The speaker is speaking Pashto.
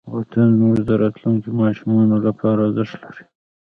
وطن زموږ د راتلونکې ماشومانو لپاره ارزښت لري.